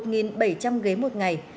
một bảy trăm linh ghế một ngày